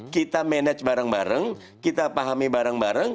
kita manage bareng bareng kita pahami bareng bareng